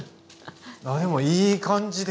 あでもいい感じですよ。